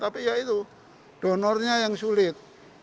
tapi ya itu donornya yang sulit